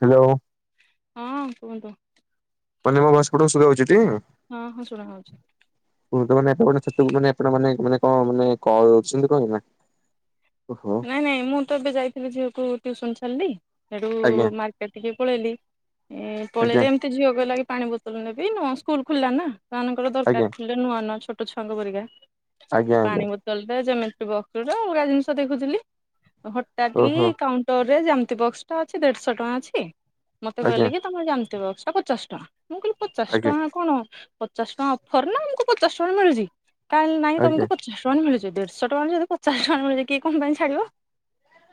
Hello. ହୁଁ କୁହନ୍ତୁ? କହିନି ମୋଭଏସ୍ ଗୁଡ଼ା ସୁଭାଜାଉଚିଟି? ହଁ ହଁ ଶୁଣାହଉଚି। କୁହନ୍ତୁ ମାନେ ଆପଣ ସେମାନେ ଆପଣ ମାନେ ମାନେ କଣ ମାନେ କରୁଚନ୍ତି କଣ ଏଇନା? ଓହୋ। ନାଇଁ ନାଇଁ ମୁଁତ ଏବେ ଯାଇଥିଲି ଝିଅକୁ ଟ୍ୟୁସନ୍ ଛାଡ଼ିଲି ସେଠୁ ଆଜ୍ଞା ମାର୍କେଟ ଟିକେ ପଳେଇଲି ଆଜ୍ଞା ପଳେଇଲେ ମତେ ଝିଅ କହିଲାକି ପାଣି ବୋତଲ ନେବି ନ ସ୍କୁଲ ଖୋଲିଲାନା ସେମାନଙ୍କର ଆଜ୍ଞା ଦରକାର ନୂଆ ନୂଆ ଛୋଟ ଛୁଆଙ୍କ ପରିକା ଆଜ୍ଞା ଆଜ୍ଞା ପାଣି ବୋତଲରେ ଯେମିଟ୍ରି ବକ୍ସଟେ ଅଲଗା ଜିନିଷ ଦେଖ ଖିଥିଲି ହଟାତ୍ କି ଓହୋ କାଉଣ୍ଟରରେ ଜ୍ୟାମିତି ବକ୍ସଟା ଅଛି ଦେଢଶହ ଟଙ୍କା ଅଛି ମତେ ଆଜ୍ଞା କହିଲେକି ତମେ ଜେମିଟ୍ରି ବକ୍ସ୍ଟା ପଚାଶେ ଟଙ୍କା ମୁଁ କହିଲି ପଚାଶ ଆଜ୍ଞା ଟଙ୍କା କଣ ପଚାଶ ଟଙ୍କା ଅଫରନା ଆମକୁ ପଚାଶ ଟଙ୍କା ମିଳୁଚି କାଇଁ ନାଇଁ ଆଜ୍ଞା ତମକୁ ପଚାଶ ଟଙ୍କାରେ ମିଳୁଚି ଦେଢଶହ ଟଙ୍କା ଯଦି ପଚାଶ ଟଙ୍କା ମିଳୁଚି କିଏ କଁପାଇଁ ଛାଡିବ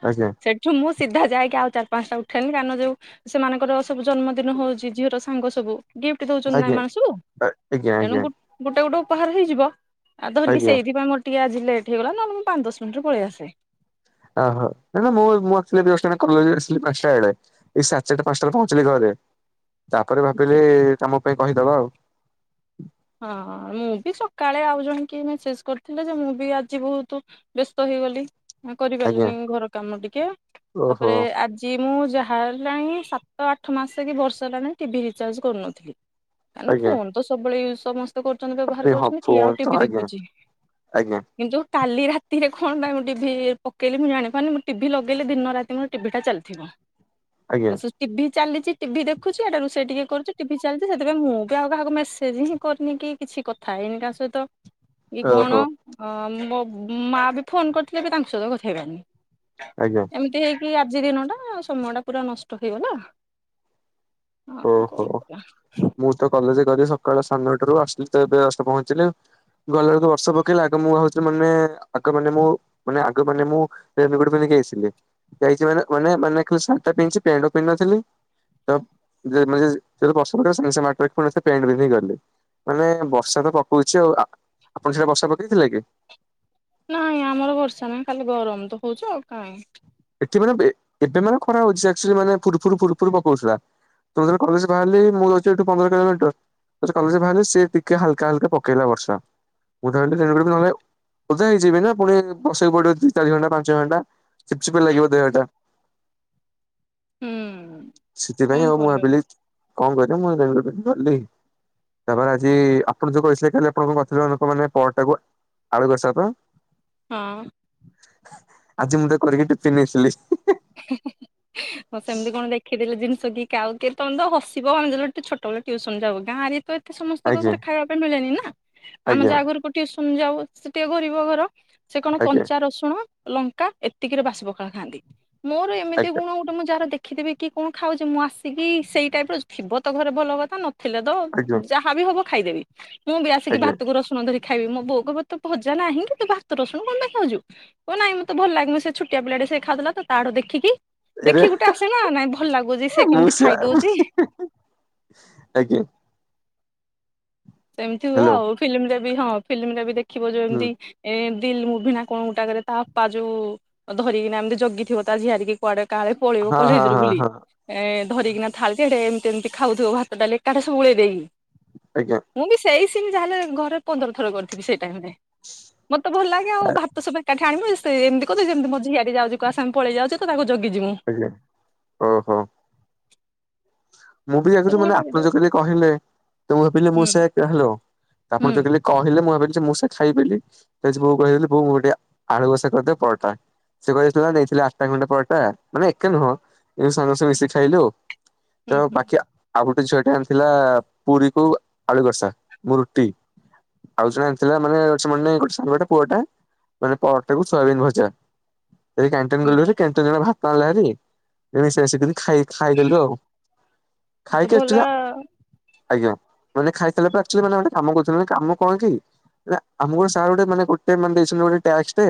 ଆଜ୍ଞା। ସେଠୁ ମୁଁ ସିଧା ଯାଇକି ଆଉ ଚାରି ପାଞ୍ଚଟା ଉଠେଇନି କାରଣ ଯୋଉ ସେମାନଙ୍କର ସବୁ ଜନ୍ମଦିନ ହଉଚି ଝିଅର ସା ସାଙ୍ଗ ସବୁ ଗିଫ୍ଟ ଦଉଛନ୍ତିନା ଆଜ୍ଞା ଏମାନେ ସବୁ ଆ ଆଜ୍ଞା ଆଜ୍ଞା ତେଣୁ ଗୁ ଗୋଟେ ଗୋଟେ ଉପହାର ହେଇଯିବ ଆଉ ଧରିକି ଆଜ୍ଞା ସେଇଥିପାଇ ମୋୟ ଟିକେ ଆଜି ଲେଟ୍ ହେଇଗଲା ନହେଲେ ମୁଁ ପାଞ୍ଚ ଦଶ ମିନିଟରେ ପଳେଇ ଆସି [unintelligible] ଓହୋ ନା ନା ମୁଁ ମୁଁ ଆକ୍ଚୁଲି [unintelligible] ଆସିଲି ପାଞ୍ଚଟା ବେଳେ। ଏଇ ସାଢ଼େଚାରଟା ପାଞ୍ଚଟାରେ ପହଞ୍ଚିଲି ଘରେ ତାପରେ ଭାବିଲି ତମ ପାଇଁ କହିଦବା ଆଉ। ହଁ ମୁଁବି ସକାଳେ ଆଉ ଜଣେ କିଏ ମେସେଜ୍ କରିଥିଲେ ଯେ, ମୁଁ ବି ଆଜି ବହୁତ୍ ବ୍ୟସ୍ତ ହେଇଗଲି ଆଜ୍ଞା କରିପାରିଲିନି ଘର କାମ ଟିକେ ଓହୋ ତାପରେ ଆଜି ଯି ମୁଁ ଯାହା ହେଲାଣି ସାତ ଆଠ ମାସକି ବର୍ଷେ ହେଲାଣି ଟିଭି ରିଚାର୍ଜ କରୁନଥିଲି। କା ନ ଆଜ୍ଞା ଫୋନ ତ ସବୁବେଳେ ୟୁଜ ସମସ୍ତେ ସ୍ତି କରୁଛନ୍ତି ବ୍ୟବହାର ହଁ କରୁଛନ୍ତି କିଏ ଫୋନ ଆଉ ତ ଟିଭି ଆଜ୍ଞା ଦେଖୁଚି ଆଜ୍ଞା କିନ୍ତୁ କାଲି ରାତିରେ କଣ ପାଇଁ ମୁଁ ଟିଭି ପକେଇଲି ମୁଁ ଜାଣିପାରୁନି ମୁଁ ଟିଭି ଲଗେଇଲି ଦିନ ରାତି ମୋର ଟିଭି ଟା ଚାଲିଥିବ। ଆଜ୍ଞା ତ ସେ ଟିଭି ଚାଲିଛି ଟିଭି ଦେଖୁଛି ଆଡେ ରୋଷେଇ ଟିକେ କରୁଛି ଟିଭି ଚାଲିଛି ସେଥିପାଇଁ ମୁଁ ବି ଆଉ କାହାକୁ ମେସେଜ୍ ହିଁ କରିନି କି କିଛି କଥା ହେଇନି କାହା ସହିତ କି ଓହୋ କଣ। ହଁ ମୋ ମାଆ ବି ଫୋନ୍ କରିଥିଲେ ବି ତାଙ୍କ ସହିତ କଥା ହେଇ ପାରିନି। ଆଜ୍ଞା। ଏମିତି ହେଇକି ଆଜି ଦିନ ଟା ସମୟ ଟା ପୁରା ନଷ୍ଟ ହେଇଗଲା। ଆଉ କଣ ଓହୋ କରିବା। ମୁଁ ତ କଲେଜ ଗଲି ସକାଳ ସାନେନଟାରୁ ଆସିଲି ତ ଏବେ ଜଷ୍ଟ ପହଞ୍ଚିଲି। ଗଲେ ଯେତୁ ବର୍ଷା ପକେଇଲା ଆଗ ମୁଁ ହଉଚି ମାନେ ଆଗ ମାନେ ମୁଁ ମାନେ ଆଗ ମାନେ ମୁଁ [unintelligible] ଆସିଲି। ଯାଇଛି ମାନେ ମାନେ ମାନେ ଖଲି ସାର୍ଟ ଟା ପିନ୍ଧିଚି ପ୍ୟାଣ୍ଟ ଟା ପିନ୍ଧିନଥିଲି ତ [unintelligible] ପେଣ୍ଟ ପିନ୍ଧୀକି ଗଲି। ମାନେ ବର୍ଷା ତ ପକଉଛି ଆଉ ଆ ଆପଣ ସେଆଡ଼େ ବର୍ଷା ପକେଇଥିଲା କି? ନାଇଁ ଆମର ବର୍ଷା ନାହିଁ ଖାଲି ଗରମ ତ ହଉଚି ଆଉ କାଇଁ। ଏଠି ମାନେ ବେ ଏବେ ମାନେ ଖରା ହଉଚି ସେ ଆକ୍ଚୁଆଲି ମାନେ ଫୁଡୁ ଫୁଡୁ ଫୁଡ଼ୁ ଫୁଡୁ ପକଉଥିଲା। ମୁଁ ଯେତେଳେ କଲେଜ ବାହାରିଲି ମୁଁ ରହୁଚି ଏଠୁ ପନ୍ଦର କିଲୋମିଟର। ଜଷ୍ଟ କଲେଜ ରୁ ବାହାରିଲି ସେ ଟିକେ ହାଲକା ହାଲକା ପକେଇଲା ବର୍ଷା। [unintelligible] ଚିପପା ଲାଗିବ ଦେହଟା। ହୁଁ। କଣ ସେଥିପାଇଁ ଆଉ ମୁଁ କରିବାକୁ। ଭାବିଲି କଣ କରିମି [unintelligible] ତାପରେ ଆଜି ଆପଣ ଯୋଉ କହସ କାଲି ଆପଣ କଣଥିଲେ ଲୋକ ମାନେ ପରଟାକୁ ଆଳୁ କସା ପା। ହଁ। ଆଜି ମୁଁ ତାକୁ କରିକି ଟିଫନ୍ ନେଇଥିଲି। ହେ ହେ ହେ। ହଁ ସେମିତି କଣ ଦେଖିଦେଲେ ଜିନିଷ କି କାଉ କି ତମେ ତ ହସିବ ମାନେ ଟିକେ ଛୋଟବେେଳେ ଟ୍ୟୁସନ ଯାଉ ଗାଁ ରେ ତ ଏ ସମସ୍ତଙ୍କୁ ଆଜ୍ଞା ଘରେ ଖାଇବା ପାଇଁ ମିଳେନି ନା ଆମେ ଆଜ୍ଞା ଯା ଘରୁକୁ ଟେ ଟିଉସନ ଯାଉ ସେ ଟିକେ ଗରିବ ଘର ସେ କଣ ଆଜ୍ଞା କଞ୍ଚା ରସୁଣ ଲଙ୍କା ଏତିକିରେ ବାସି ପଖାଳ ଖାଆନ୍ତି ମୋର ଏମିତି ଆଜ୍ଞା ଗୁଣ ଗୋଟେ ମୁଁ ଯାହାର ଦେଖିଦେବି କି କଣ ଖାଉଛି ମୁଁ ଆସିକି ସେଇ ଟାଇପ ର ଥିବ ତ ଘରେ ଭଲ କଥା ନଥିଲେ ତ ଆଜ୍ଞା ଯାହା ହା ବିି ହବ ଖାଇଦେବି ମୁଁ ବି ଆସିକି ଆଜ୍ଞା ଭାତକୁ ରଶୁଣ ଧରିକି ଖାଇବି ମୋ ବୋଉ କହବ ତ ଭଜା ନାହିଁ କି ତୁ ଭାତ ରସୁଣ କଣ ପାଇଁ ଖାଉଛୁ। କ ନାଇଁ ମତେ ଭଲ ଲାଗେ ନି ସେ ଛୋଟିଆ ପିଲା ଟେ ସେ ଖାଉ ଥିଲା ତ ତା ଆଡୁ ଦେଖିକି ଏରେ ଦେଖିକି ଗୋଟେ ଆସେ ନା ନାଇଁ ଭଲ ଲାଗୁଛି ସେ ମୁଁ କେମିତି ସେଆ ଖାଇଦଉଛି। ଆଜ୍ଞା। ସେମିତି ହୁଏ ହ୍ୟାଲୋ ଆଉ ଫିଲ୍ମ ରେ ବି ହଁ ଫିଲ୍ମ ରେ ବି ଦେଖିବ ଯୋଉ ହୁଁ ଏମିତି ଏ ଦିଲ୍ ମୁଭିନା କଣ ଗୋଟା କରେ ତା ତା ଯୋଉ ଧରିକିନା ଏମିତି ଜଗିଥିବ ତା ଝିଆରିକି। କୁଆଡେ କାଳେ ପଳେଇବ ହଁ ହଁ କଲେଜରୁ ହଁ ବୁଲି। ହଁ ଏ ଧରିକିନା ଥାଳି ଟେ ଏମିତି ଏମିତି ଖାଉଥିବ ଭାତ ଡାଲି ଏକାଠି ସବୁ ଗୁଳେଇ ଦେଇକି। ଆଜ୍ଞା। ମୁଁ ବି ସେଇ ସିନି ଯାହାଲେ ଘରେ ପନ୍ଦରଥର କରିଥିବି ସେଇ ଟାଇମ ରେ ମତେ ଭଲ ଲାଗେ ଆଉ ଭାତ ସବୁ ଏକାଠି ଆଣିବୁ ତ ଏମିତି କଲେ ସେମତି ମୋ ଝିଆରି ଯାଉଛି କାହା ସାଙ୍ଗେ ପଳେଇ ଯାଉଛି ତ ତାକୁ ଜଗିଛି ମୁଁ। ଆଜ୍ଞା ଓହୋ। ମୁଁ ବି ଦେଖୁଛି ସବୁ ମାନେ ଗୋଟେ ଆପଣ ଗୋଟେ ଯ କହିଲେ ତ ମୁଁ ଭାବିଲି ମୁଁ ହୁଁ ସେ ହେଲୋ। ତ ହୁଁ ଆପଣ ଯଉ କାଲି କହିଲେ ମୁଁ ଭାବିଲି ଯେ ମୁଁ ସେ ଖାଇବି ବୋଲି। ଫେସବୂକ ଦେଲି ବହୁତ ବଢିଆ। ଆଳୁ କଷା କରିଦେ ପରଟା। ସେ ଘରେଥିଲା ଦେଇଥିଲେ ଆଠଟା ଖଣ୍ଡେ ପରଟା ମାନେ ଏକା ନୁହଁ ଏବେ ସମସ୍ତେ ମିଶିକି ଖାଇଲୁ। ତ ହୁଁ ହୁଁ ବାକି ଆଉ ଗୋଟେ ଝିଅ ଟେ ଅନିଥିଲା ପୁରୀ କୁ ଆଳୁ କସା ମୁଁ ରୁଟି। ଆଉ ଜଣେ ଆଣିଥିଲା ମାନେ ଅଛି ମାନେ ଗୋଟେ ପୁଅଟା। ମାନେ ପରଟାକୁ ସୋୟାବିନ୍ ଭଜା। ସେଠି କାଣ୍ଟିନ ହୁଁ। ଗଲୁହାରି କାଣ୍ଟିନରେ ଭାତ ଆଣିଲା ହେରି ସେ ମିଶି ମିସିକିରି ଖାଇଦେଲୁ। ତ ଖାଇକି ଭଲ ଆସିଥିଲ ଆଜ୍ଞା ମାନେ ଖାଇସାରିଲା ପରେ ଆକଚୁଲି ମାନେ ଗୋଟେ କାମ କରୁଥିଲେ କାମ କଣ କି ଆମକୁ ସାର୍ ଗୋଟେ ମାନେ ଗୋଟେ ମାନେ ଦେଇଛନ୍ତି ଗୋଟେ ଟାସ୍କ ଟେ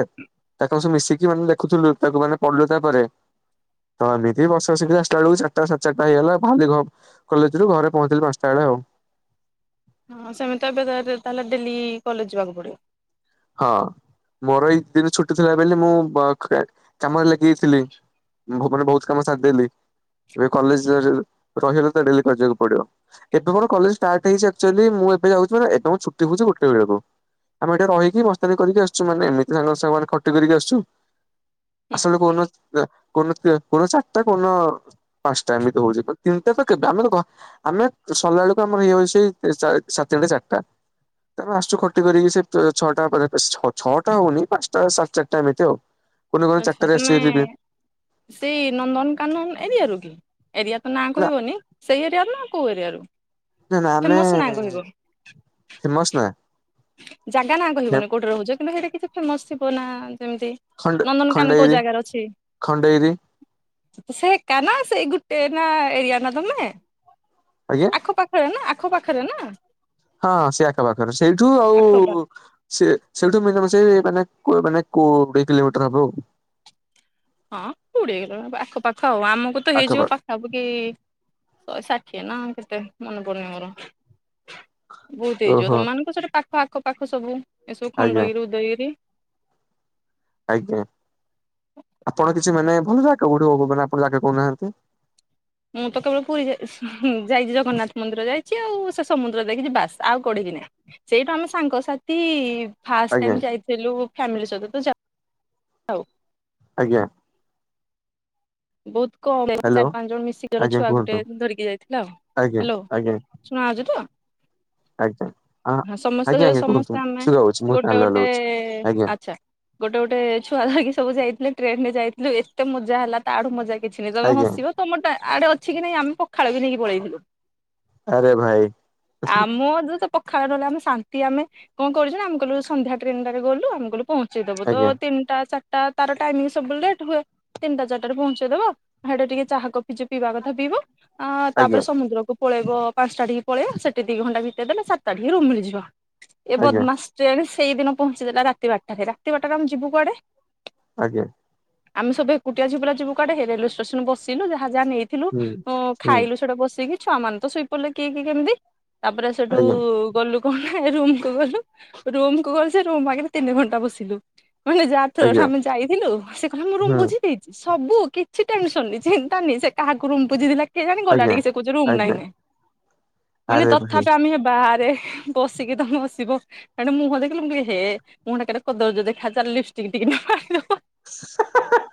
ତାକୁ ସବୁ ମିଶିକି ମାନେ ଲେଖୁଥିଲୁ ତାକୁ ମାନେ ପଢିଲୁ ତାପରେ ତ ଏମତି ବର୍ଷା ସେଠି ଆସିଲାବେଳକୁ ଚାରଟା ସାଢେ ଚାରିଟା। ହେଇଗଲା ବାହାରିଲି କଲେଜରୁ ଘରେ ପହଞ୍ଚିଲି ପାଞ୍ଚଟା ବେଳେ ଆଉ। ହଁ ସେମିତି ଏବେ ତାହେଲେ ତାହାଲେ ଡେଲି କଲେଜ ଯିବାକୁ ପଡିବ। ହଁ ମୋର ଏଇ ଦିନ ଛୁଟି ଥିଲାବୋଲି ବ ମୁଁ କାମରେ ଲାଗିଯାଇଥିଲି। ଭୁବନରେ ବହୁତ କାମ ସାରିଦେଲି ଏବେ କଲେଜରେ ରହିବା କଥା ତ ଡେଲି କରିବାକୁ ପଡିବ। ଏବେ ମୋର କଲେଜ ଷ୍ଟାଟ ହେଇଛି ଆକଚୁଆଲି ମୁଁ ଏବେ ଯାଉଛି ଏବେ ମୋର ଛୁଟି ହୋଉଛି ଗୋଟେ ବେଳକୁ। ଆମ ଏଠେ ରହିକି ମସ୍ତାନୀ କରିକି ଆସୁଛୁ ମାନେ ଏମିତି ସାଙ୍ଗ ସାଙ୍ଗ ମାନେ ଖଟି କରିକି ଆସିଛୁ [unintelligible] କୋଉଦିନ ତ ଚାରିଟା କୋଉ ଦିନ ପାଞ୍ଚଟା ଏମିତି ହଉଛି ତିନିଟା ତ କେବେ ଆମେ ତ ଘ ଆମେ ସରିଲା ବେଳକୁ ଆମର ହେଇଯାଉଛି ସା ସାତଟା ଚାରିଟା। ତାମ ଆସୁଛୁ ଖଟି କରିକି ସେ ଛଅଟା ପରେ ଛ ଛଅଟା ହଉନି ପାଞ୍ଚଟା ସାଢେ ଚାରିଟା ଏମିତି ଆଉ। କୋଉନ କୋଉଦିନ ଆଚ୍ଛା ଚାରିଟାରେ ତମେ ଆସୁଚିଭାରିବି। ସେଇ ନନ୍ଦନକାନନ ଏରିଆରୁ କି ଏରିଆ ତ ନାଁ ନା କହିବନି ସେଇ ଏରିଆରୁ ନାଁ କୋଉ ଏରିଆରୁ? ନା ନା ଆମେ ଫେମସ ନାଁ କହିବ ଫେମସ ନା ଜାଗା ନା କହିବନି କୋଉଠି ରହୁଛ କିନ୍ତୁ ହେଇଠେ କିଛି ଫେମସ ଥିବ ନା ଯେମିତି ଖଣ୍ଡ ନନ୍ଦନକାନ କୋଉ ଖଣ୍ଡଗିରି ଜାଗାରେ ଅଛି? ଖଣ୍ଡଗିରି ସେ ଏକା ନାଁ ସେଇ ଗୋଟେ ନାଁ ଏରିୟା ନା ତମେ? ଆଜ୍ଞା। ଆଖ ପାଖରେ ନା ଆଖ ପାଖରେ ନା ହଁ ସେ ଆଖପାଖରେ ସେଇଠୁ ଆଉ ଆଖ ପାଖ ସେ ସେଇଠୁ ମିନିମମ୍ ସେ ମାନେ କ ମାନେ କୋଡିଏ କିଲୋମିଟର ହବ ଆଉ। ହଁ କୋଡିଏ କିଲ ଆଖ ପାଖ ଆଉ ଆମକୁ ତ ହେଇଯିବ ଆଖପାଖ ପାଖ। ସବୁ କି ଶହେ ଷାଠିଏ ନା କେତେ ମନେ ପଡୁନି ମୋର। ବହୁତ ହେଇଯିବ ଓହୋ ତମମାନଙ୍କୁ ସେଠି ପାଖ ଆଖ ପାଖ ସବୁ ଏସବୁ ଆଜ୍ଞା ଖଣ୍ଡଗିରି ଉଦୟଗିରି। ଆଜ୍ଞା ଆପଣ କିଛି ମାନେ ଭଲ ଜାଗା କୋଉଠି ହଉ ମାନେ ଆପଣ ଜାଗା କହୁନାହାନ୍ତି। ମୁଁ ତ କେବଳ ପୁରୀ ଯା ଯାଇଛି ଜଗନ୍ନାଥ ମନ୍ଦିର ଯାଇଛି ଆଉ। ସେ ସମୁଦ୍ର ଯାଇଛି ବାସ୍ ଆଉ କୋଉଠିକି ନାହିଁ। ସେଇଠୁ ଆମେ ସାଙ୍ଗସାଥି ଫାଷ୍ଟ ଆଜ୍ଞା ଟାଇମ ଯାଇଥିଲୁ ଫ୍ୟାମିଲି ସହିତ ତ ଯାଉ ଆଜ୍ଞା। ବହୁତ ଗହଳି ହ୍ୟାଲୋ ଚାରି ପାଞ୍ଚ ଜଣ ମିଶିକର ଆଜ୍ଞା ଛୁଆ ଗୋଟେ କୁହନ୍ତୁ ଧରିକି ଯାଇଥିଲା ଆଉ ଆଜ୍ଞା ହ୍ୟାଲୋ। ଆଜ୍ଞା ଶୁଣାଯାଉଛି ତ? ଆଜ୍ଞା ହଁ ଆଜ୍ଞା ସମସ୍ତେ ଆଜ୍ଞା କୁହନ୍ତୁ ସମସ୍ତେ ଆମେ ଶୁଗା ହଉଛି ମୁଁ ଗୋଟେ ହ୍ୟାଲୋ ଗୋଟେ ହ୍ୟାଲୋ ହଉଛି ଆଜ୍ଞା ଆଛା ଗୋଟେ ଗୋଟେ ଛୁଆ ଲାଗି ସବୁ ଯାଇଥିଲେ ଟ୍ରେନ ରେ ଯାଇଥିଲୁ ଏତେ ମଜା ହେଲା ତାଠୁ ମଜା। କିଛି ନାଇଁ ତମେ ଆଜ୍ଞା ହସିବ ତମ ଟା ଆଡେ ଅଛି କି ନାଇଁ ଆମେ ପଖାଳ ବି ନେଇକି ପଳେଇଥିଲୁ। ଆରେ ଭାଇ ଆମର ଯ ତ ପଖାଳ ରହିଲେ ଆମେ ଶାନ୍ତି ଆମେ କଣ କରୁଚୁ ନା ଆମେ କହିଲୁ ବୋଧେ ସନ୍ଧ୍ୟା ଟ୍ରେନଟାରେ ଗଲୁ ଆମେ କହିଲୁ ପହଞ୍ଚ ତ ଆଜ୍ଞା ତିନିଟା ଚାରିଟା ତାର ଟାଇମିଂ ସବୁବେଳେ ଲେଟ୍ ହୁଏ ତିନଟା ଚାର ଟାରେ ପହଞ୍ଚେଇଦବ ହେଠେ ଟିକେ ଚାହା କଫି ଯିଏ ପିଇବା କଥା ପିଇବ ତାପରେ ଆଜ୍ଞା ସମୁଦ୍ରକୁ ପଳେଇବ ପାଞ୍ଚଟା ଟିକେ ପଳେଇବ ସେଠି ଦି ଘଣ୍ଟା ବିତେଇଦେଲେ ସାତଟାଠିକି ମିଳିଯିବ ଏ ଆଜ୍ଞା ବଦମାସ ଟ୍ରେନ ସେଇ ଦିନ ପହଞ୍ଚେଇଦେଲା ରାତି ବାରଟାରେ ରାତି ବାରଟାରେ ଆମେ ଯିବୁ କୁଆଡେ? ଆଜ୍ଞା ଆମେ ସବେ ଏକୁଟିଆ ଝିଅପିଲା ଯିବୁକୁଡେ ହେ ରେଲୱେ ଷ୍ଟେନ ବସିଲୁ ଯାହା ଯାହା ନେଇ ଥିଲୁ ହୁଁ ହୁଁ ଖାଇଲୁ ସେଇଡ଼ା ବସିକି ଛୁଆ ମାନେ ତ ଶୋଇପଡିଲେ କିଏ କି କେମିତି। ତାପରେ ସେଟୁ ଆଜ୍ଞା ଗଲୁ। ହେଁ ରୁମ କୁ ଗଲୁ ରୁମ କୁ ଗଲୁ ସେ ରୁମ ଆଗରେ ତିନି ଘଣ୍ଟା ବସିଲୁ। ମାନେ ଯା ତ ଆଜ୍ଞା ହାମେ ଯାଇଥିଲୁ ସେ କହ ମୁଁ ରୁମ ହୁଁ ବୁଝିଚି। ସବୁ କିଛି ଟେନସନ ଚିନ୍ତା ନି ସେ କାହାକୁ ରୁମ୍ ପୁଜିଥିଲା। ସେ ଜାଣି ଗଲା ଆଜ୍ଞା ଟିକେ ସେ କହୁଚି ରୁମ୍ ନାହିଁ ଆଜ୍ଞା ନାଇଁ ମାନେ ଆରେ ଭାଇ ତଥାପି ଆମେ ବାହାରେ। ପସିକି ତମ ହସିବ। ହେଠୁ ମୁହଁ ଦେଖିଲୁ ମୁଁ କଇଲି ହେ ମୁହଁ ଟା କଦର୍ଯ୍ୟ ଦେଖା ଲିପ ଟିକେ [unintelligible] [unintelligible]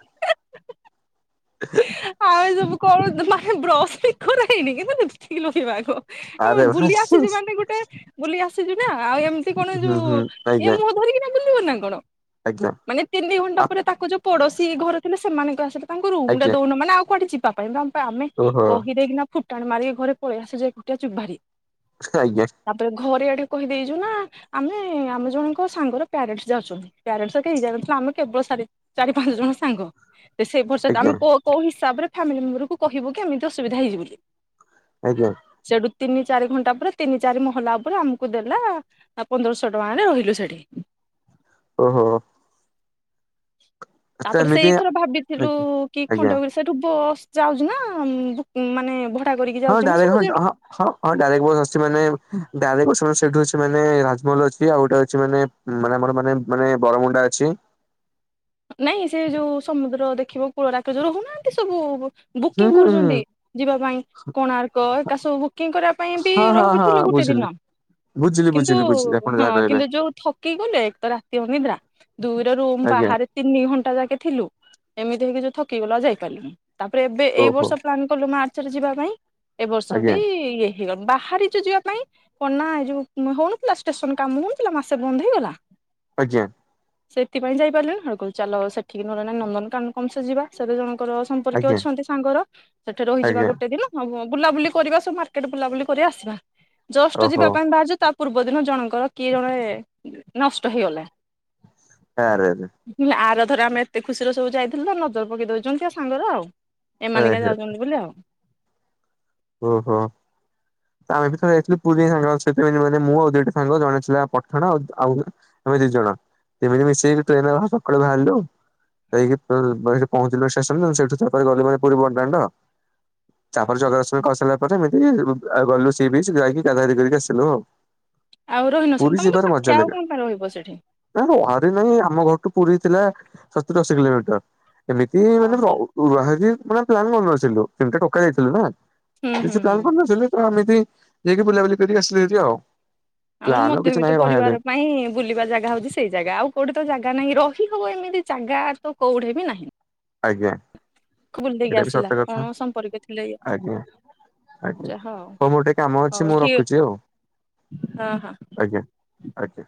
ଆମେ ସବୁ କଣ ମାନେ ବ୍ରସ୍ ବି କରା ହେଇନୀ କିନ୍ଥୁ ଲିପଷ୍ଟିକ୍ ଲାଗେଇବା ଆଗ। ଏ ଆରେ ବୁଲି ଭାଇ ଆସିଛି ମାନେ ଗୋଟେ। ବୁଲି ଆସିଛୁ ନା ଆଉ ଏମିତି କଣ ହୁଁ ଯୋଉ ହୁଁ ଆଜ୍ଞା ଏ ମୁଁ ଧରିକିନା ବୁଲିବ ନା କଣ? ଆଜ୍ଞା। ମାନେ ତିନି ଘଣ୍ଟା ଆ ପରେ ତାକୁ ଯୋଉ ପଡୋଶୀ ଘର ଥିଲେ ସେମାନଙ୍କ ଆସିଲା, ତାଙ୍କୁ ରୁମ ରେ ଆଜ୍ଞା ଦଉନ ମାନେ ଆଉ କୁଆଡେ ଯିବା? ତମ ପାଇଁ ଆମେ ଓହୋ କହିଦେଇକିନା ଫୁଟାଣ ମାରିକି ଘରେ ପଳେଇ ଆସଯୁଟିଆ ଚୁ ଭାରି [unintelligible] ତାପରେ ଘରେଆଡେ କହିଦେଇଛୁ ନା। ଆମେ ଆମେ ଜଣଙ୍କ ସାଙ୍ଗର ପ୍ୟାରେଟସ୍ ଯାଉଛନ୍ତି ପ୍ୟାରେଣ୍ଟସ କେଇ ଯାଉ ଆମେ କେବଳ ସାର ଚାରି ପାଞ୍ଚ ଜଣ ସାଙ୍ଗ ତ ସେଇ ପ ତ ଆମେ ଆଜ୍ଞା କୋଉ କୋଉ ହିସାବରେ ଫାମିଲି ମେମ୍ବର କୁ କହିବୁ କି ଏମିତି ଅସୁବିଧା ହେଇସି ବୋଲି? ଆଜ୍ଞା। ସେଠୁ ତିନି ଚାରି ଘଣ୍ଟା ପରେ ତିନି ଚାରି ମହଲା ଉପରେ ଆମକୁ ଦେଲା। ଆ ପନ୍ଦରଶହ ଟଙ୍କାରେ ରହିଲୁ ସେଠି। ଓହୋ। ତ ତାପରେ ସେ ଏମିତି ଏଇଥର ଭାବିଥିଲୁ ଆଜ୍ଞା କି ଆଜ୍ଞା ଖଣ୍ଡଗି ସେଠୁ ବସ୍ ଯାଉଛି ନା ଭୁ ମାନେ ଭଟ ହଁ ଡାରେଡ୍ ହଁ ହଁ। ହଁ ହଁ ଡାଇରେକ୍ଟ ବସ ଆସିଛି ମାନେ ଡାଇକ୍ଟ ବସନେ ସେଇଠି ସେମାନେ ରାଜମହଲ ଅଛି ଆଉ ଗୋଟେ ଅଉଛି ମାନେ। ମାନେ ଆମର ମାନେ ମାନେ ବରମୁଣ୍ଡା ଅଛି। ନାଇଁ ସେ ଯୋଉ ସମୁଦ୍ର ଦେଖିବ କୂଳ ରାକ ଯୋଉ ରହୁନାହାନ୍ତି ସବୁ। ହୁଁ ବୁକିଂ ହୁଁ ହୁଁ କରୁଛନ୍ତି ଯିବା ପାଇଁ କୋଣାର୍କ ଏକା ସବୁ ବୁକିଂ କରିବା ପାଇଁ ଏମତି ହଁ ବି ହଁ ହଁ ରହୁଥିଲୁ ଗୁଟେ। ଦିନ। ବୁଝିଲି ବୁଝିଲି କିନ୍ତୁ ବୁଝିଲି ବୁଝିଲି ଆପଣ ହଁ ଯାହା କହିଲେ କିନ୍ତୁ ଯୋଉ ଥକି ଗଲେ ତ ରାତି ଅନିଦ୍ରା ଦୁଇ ର ରୁମ୍ ଆଜ୍ଞା ବାହାରେ। ତିନି ଘଣ୍ଟା ଯାକେ ଥିଲୁ ଏମିତି ହେଇକି ଯୋଉ ଥକିଗଲା ଆଉ ଯାଇପାରିଲଣି। ତାପରେ ଏବେ ଏଇ ଓହୋ ବର୍ଷ ପ୍ଲାନ୍ କଲୁ ମାର୍ଚ୍ଚ ରେ ଯିବା ପାଇଁ ଏ ବର୍ଷ ଆଜ୍ଞା ବି ହିଅ ବାହାରିଛୁ ଯିବା ପାଇଁ। କନା ଏ ଯୋଉ ହଉନଥିଲା ଷ୍ଟେସନ କାମ ହଉନଥିଲା ମାସେ ବନ୍ଦ ହେଇଗଲା। ଆଜ୍ଞା। ସେଥିପାଇଁ ଯାଇପାରିଲିଣିି ହ କୋଉ ଚାଲ ସେଠିକି ନହେଲେ ନନ୍ଦନକାନ କମ ସେ ଯିବା ସେ ଦି ଜଣଙ୍କର। ସମ୍ପର୍କୀୟ ଆଜ୍ଞା ଅଛନ୍ତି ସାଙ୍ଗର ସେଠି ରହିଯିବା ଆଜ୍ଞା ଗୋଟେ ଦିନ। ହଁ ବୁଲାବୁଲି କରିବା ସବୁ ମାର୍କେଟ ବୁଲାବୁଲି କରିବା ଆସିବା ଜଷ୍ଟ ଓହୋ ଯିବା ପାଇଁ ବାହାରିଚୁ, ତା ପ ପୂର୍ବ ଦିନ ଜଣଙ୍କର କିଏ ଜଣେ ନଷ୍ଟ ହେଇଗଲା। ଆରେ ଆରେ! ଆର ଥର ଆମେ ଏତେ ଖୁସିରେ ସବୁ ଯାଇଥିଲୁ ତ ନଜର ପକେଇ ଦଉଛନ୍ତି ଆ ସାଙ୍ଗର ଆଉ। ଏମାନେ କାଇଁ ଆରେ ଯାଉଛନ୍ତି ବୋଲି ଆଉ। ଓହୋ। ତ ଆମେ ବି ଯାଇଥିଲୁ ପୁରୀ ସାଙ୍ଗମାନଙ୍କ ସହିତ କିନ୍ତୁ ମାନେ ମୁଁ ଆଉ ଦିଟ ସାଙ୍ଗ ଜଣେ ଥିଲା ପଟଣା ଆଉ ଆ। ଆମେ ଦି ଜଣ ଏମିତି ମିଶିକି ଟ୍ରେନରେ ସକାଳୁ ବାହାରିଲୁ। ଯାଇକି ଫେର ସେଇଠି ପହଞ୍ଚିଲୁ ଷ୍ଟେସନରେ ସେଇଠୁ ତା ପରେ ଗଲୁ ଭାରି ପୁରୀ ବଡଦାଣ୍ଡ। ତା ପରେ ଜଗା ଦ ର୍ଶନ କରି ସାରିଲା ପରେ ଏମିତି ଆଉ ଗଲୁ ସି ବିଚ୍ ଯାଇକ ଗାଧା ଗାଦି କରିକି ଆସିଲୁ ଆଉ। ଆଉ ରହିନ ସେଠି ପୁରୀ ତମ ତ ଯିବାର ମଜା ପାଖେ ଆଉ ଲାଗେ କଁ ପାଇଁ ରହିବ ସେଠି। ନା ରହା ରହି ନାଇଁ ଆମ ଘରଠୁ ପୁରୀ ଥିଲା ସତୁରି ଅଶୀ କିଲୋମିଟର ଏମିତି ହଁ ମାନେ ର ହଁ ରୁହା ଇକି ମାନେ ପ୍ଲାନ୍ କରନଥିଲୁ ତିନିଟା ଟୋକା ଯାଇଥିଲୁ ନା। ହୁଁ ହୁଁ କିଛି ହୁଁ। ପ୍ଲାନ କରି ନଥିଲୁ ତ ଏମିତି ଯାଇକି ବୁଲାବୁଲି କରିକି ଆସିଲୁ ହାରି ଆଉ। ଆମର ପ୍ଲାନ୍ ଆଉ କିଛି ମଧ୍ୟବିତ୍ତ ନାହିଁ ରହିବା ପରିବାର ପାଇଁ। ବୁଲିବା ଜାଗା ହଉଛି ସେଇ ଜାଗା ଆଉ କୋଉଠି ତ ଜାଗା ନାହିଁ ରହିହବ ଏମିତି ଜାଗା ତ କୋଉଠେ ବି ନାହିଁ। ଆଜ୍ଞା ବୁଲି ଦେଇକି ଏଇଟା ବି ଆସିଲା ସତ କଥା କଣ ସମ୍ପର୍କୀୟ ଥିଲେ ଇଏ ଆଜ୍ଞା। ଆଜ୍ଞା ଯାହା ଆଉ ହ ଉ ମୋର ଟିକେ କାମ ଅଛି ହଉ ମୁଁ ଠିକ ରଖୁଛି ଆଉ। ହଁ ହଁ। ଆଜ୍ଞା ଆଜ୍ଞା।